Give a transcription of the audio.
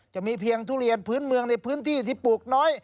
จะมีเพียงทุเรียนพื้นเมืองในพื้นที่ที่ปลูกน้อย